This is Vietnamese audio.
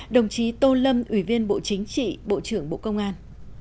đồng chí tô lâm ủy viên bộ chính trị bộ trưởng bộ công an